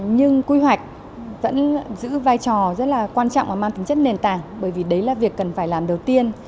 nhưng quy hoạch vẫn giữ vai trò rất là quan trọng và mang tính chất nền tảng bởi vì đấy là việc cần phải làm đầu tiên